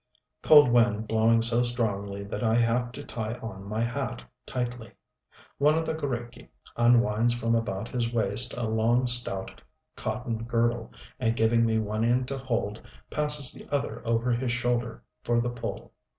Cold wind blowing so strongly that I have to tie on my hat tightly. One of the g┼Źriki unwinds from about his waist a long stout cotton girdle, and giving me one end to hold, passes the other over his shoulder for the pull.